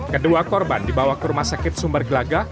kedua korban dibawa ke rumah sakit sumber gelaga